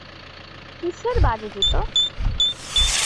কীসের বাজে জুতো?